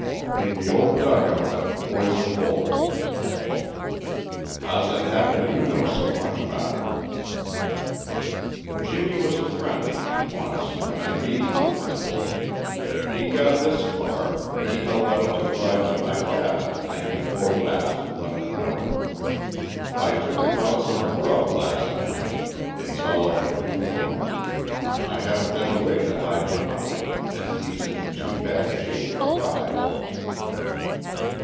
"In the old dugout at the Poison Hole." "How's it happen you know so much about it?" "Jimmie was a friend to me once when I needed a friend. He got this far, he held out to ride to my cabin night before last and left a note. I took him out some grub last night. It's all I can do for him; I haven't any way to hide him out. And he's in too bad shape to ride."